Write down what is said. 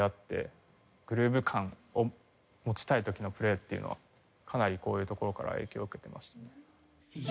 グルーヴ感を持ちたい時のプレーっていうのはかなりこういうところから影響を受けてましたね。